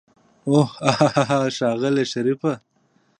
اوح هاهاها ښاغلی شريفه.